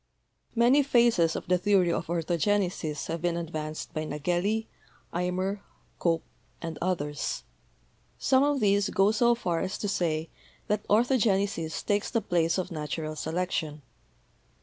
Many phases of the theory of orthogenesis have been FACTORS OTHER THAN SELECTION 231 advanced by Nageli, Eimer, Cope and others. Some of these go so far as to say that orthogenesis takes the place of natural selection.